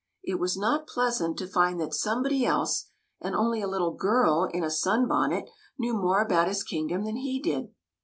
It was not pleasant to find that somebody else, and only a little girl in a sun bonnet, knew more about his kingdom than he did.